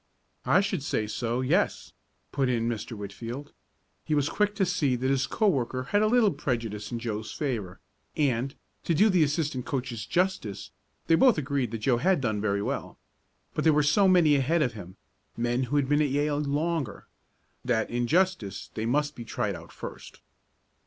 "I should say so yes," put in Mr. Whitfield. He was quick to see that his co worker had a little prejudice in Joe's favor, and, to do the assistant coaches justice, they both agreed that Joe had done very well. But there were so many ahead of him men who had been at Yale longer that in justice they must be tried out first.